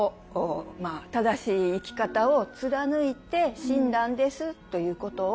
まあ正しい生き方をつらぬいて死んだんですということを。